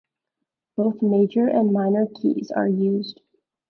Both major and minor keys are used.